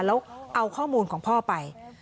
แล้วเอาข้อมูลของพ่อไป